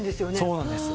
そうなんです。